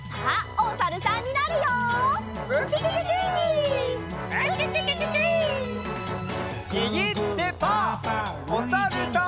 おさるさん。